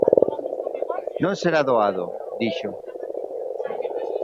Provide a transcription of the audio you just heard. "Non será doado", dixo.